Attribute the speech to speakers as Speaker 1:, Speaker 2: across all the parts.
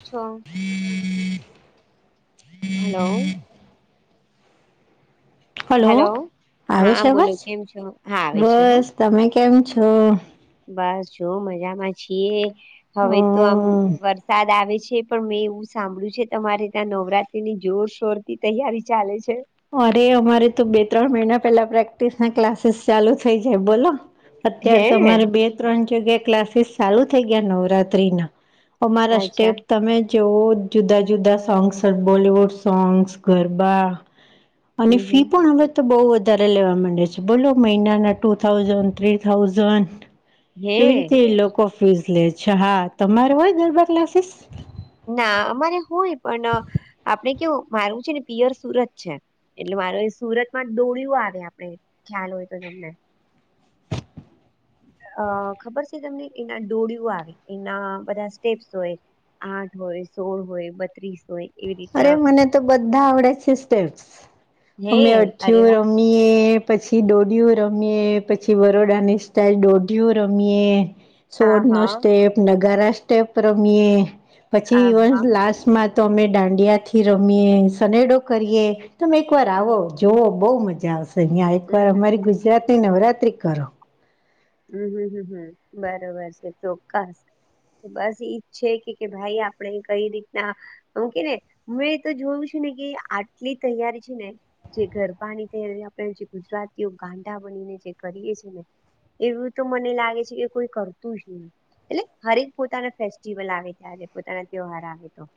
Speaker 1: છો hello
Speaker 2: hello
Speaker 1: hello
Speaker 2: આવે
Speaker 1: હા
Speaker 2: છે
Speaker 1: બોલો
Speaker 2: અવાજ
Speaker 1: કેમ છો હા આવે છે હ
Speaker 2: બસ તમે કેમ છો?
Speaker 1: બસ જો મજામાં છીએ હવે
Speaker 2: અ
Speaker 1: તો આમ વરસાદ આવે છે પણ મેં એવું સાંભળ્યું છે તમારે ત્યાં નવરાત્રીની જોરશોર તી તૈયારી ચાલે છે
Speaker 2: અરે અમારે તો બે ત્રણ મહિના પેલા પ્રેક્ટિસ ના ક્લાસીસ ચાલુ થઇ જાય બોલો
Speaker 1: હે
Speaker 2: અત્યારે તો અમારે બે ત્રણ જગ્યા ક્લાસીસ ચાલુ થઈ ગયા નવરાત્રીના અમારા
Speaker 1: અચ્છા
Speaker 2: સ્ટેપ તમે જે જુદા જુદા સોંગ્સ બોલીવુડ સોંગ્સ ગરબા અને
Speaker 1: હમ હમ
Speaker 2: ફી પણ હવે તો બહુ વધારે લેવા માંડે છે બોલો મહિનાના ટુ થાઉઝન્ડ થ્રી થાઉઝડ
Speaker 1: હે
Speaker 2: એવી રીતે લોકો ફ્યુઝ લે છે હા તમારે હોય ગરબા ક્લાસીસ
Speaker 1: ના અમારે હોય પણ આપડે કેવું મારું છે ને પિયર સુરત છે એટલે મારો એ સુરતમાં દોળિ આવે આપડે ખ્યાલ હોય તો તમને અ ખબર છે તમને એના ડોળિ આવે એના બધા સ્ટેપ્સ હોય આઠ હોય સોળ હોય બત્રીસ હોય એવી
Speaker 2: અરે
Speaker 1: રીતના
Speaker 2: મને તો બધા આવડે છે સ્ટેપ્સ
Speaker 1: હે
Speaker 2: અમે
Speaker 1: અરે
Speaker 2: અઠયુર
Speaker 1: વા
Speaker 2: અમ એ પછી દોઢિય રમીએ પછી વરોડા ની સ્ટાઇલ દોઢિયો રમીએ
Speaker 1: આ
Speaker 2: સોડ નો
Speaker 1: હા
Speaker 2: સ્ટેપ નગારા સ્ટેપ રમીએે પછી
Speaker 1: આ
Speaker 2: ઇવન
Speaker 1: હા
Speaker 2: લાસ્ટમાં તો અમે દાંડિયાથી રમીએ સનેડો
Speaker 1: હમ
Speaker 2: કરીએ તમે એકવાર આવો જુઓ બહુ મજા આવશે અહં એકવાર
Speaker 1: હમ હમ
Speaker 2: અમારી
Speaker 1: હમ
Speaker 2: ગુજરાતની નવરાત્રી કરો
Speaker 1: હમ હમ હમ હમ બરોબર છે ચોક્કસ બસ ઈ જ છે કે ભાઈ આપણે કઈ રીતના ઓમકે ને મેં તો જોયું છે ને કે આટલી તૈયારી છે ને જે ગરબાની તૈયારી આપડે જે ગુજરાતીઓ ગાંડા બનીને જે કરીએ છે ને એવું તો મને લાગે છે કે કોઈ કરતું જ નહી. એટલે હરેક પોતાના ફેસ્ટિવલ આવે ત્યારે પોતાના તહેવાર આવે તો.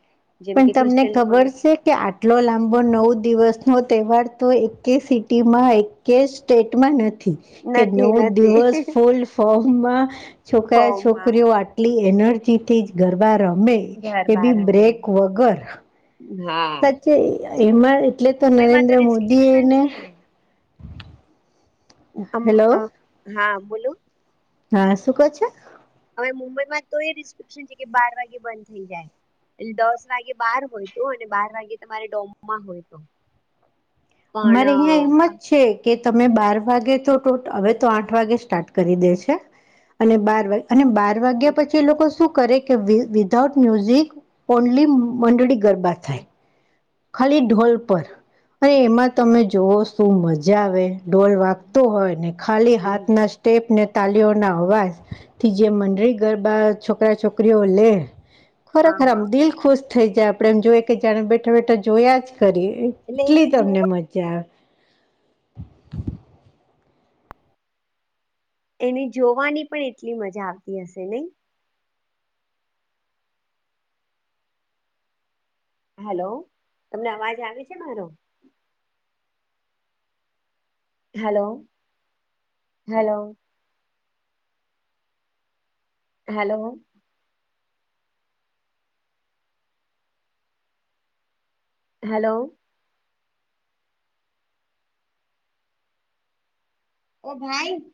Speaker 1: જેમ
Speaker 2: પણ
Speaker 1: કે
Speaker 2: તમને
Speaker 1: ક્રિશ્ચયન લોકો
Speaker 2: ખબર છે? કે આટલો લાંબો નવ દિવસનો તહેવાર તો એક સિટીમાં એક કે સ્ટેટમાં નથી. કે
Speaker 1: નથી
Speaker 2: નવ દિવસ
Speaker 1: નથી
Speaker 2: ફૂલ ફોર્મમાં છોકરા
Speaker 1: ફોર્મમાં
Speaker 2: છોકરીઓ આ ટલી એનર્જીથી જ ગરબા રમે
Speaker 1: ઘર
Speaker 2: એ
Speaker 1: બહાર
Speaker 2: બી
Speaker 1: રમે.
Speaker 2: બ્રેક વગર
Speaker 1: હા.
Speaker 2: સાચે
Speaker 1: પછી
Speaker 2: એમાં એટલે તો
Speaker 1: મુંબઈમાં
Speaker 2: નરેન્દ્ર
Speaker 1: તો
Speaker 2: મોદી
Speaker 1: રિસ્ટ્રિકશન
Speaker 2: એને
Speaker 1: છે.
Speaker 2: હેલો
Speaker 1: [unintelligible] હા બોલો.
Speaker 2: હા શું કવ છો?
Speaker 1: હવે મુંબઈમાં તો એ રિસ્ટ્રિકશન છે કે બાર વાગે બંધ થઈ જાય. એટલે દસ વાગે બાર હોય તો અને બાર વાગે તમારે ડોમમાં હોય તો.
Speaker 2: અમારે અહિયાં
Speaker 1: પણ
Speaker 2: એમ જ છે. કે તમે બાર વાગે તો હવે તો આઠ વાગે સ્ટાર્ટ કરી દે છે અને બાર વાગ અને બાર વાગ્યા પછી એ લોકો શું કરે કે વિધાઉટ મ્યુઝિક ઓનલી મંડળી ગરબા થાય. ખાલી ઢોલ પર અને એમાં તમે જોવ શું મજા આવે. ઢોલ વા હોય ને ખાલી
Speaker 1: હ
Speaker 2: હાથના સ્ટેપને તાલીઓ ના અવાજથી જે મંડળી ગરબા છોકરા છોકરીઓ લે ખરેખર
Speaker 1: હ
Speaker 2: આમ દિલ ખુશ થઈ જાય આપડે એમ જોઈએ કે જાણે બેઠા બેઠા જોયા જ કરી
Speaker 1: એટલે
Speaker 2: એટલી
Speaker 1: એનું જોવું
Speaker 2: તમને મજા આવે.
Speaker 1: એને જોવાની પણ એટલી મજા આવતી હશે નહી. હેલો, તમને અવાજ આવે છે મારો? Hello, hello. હલો. હલો. ઓ ભાઈ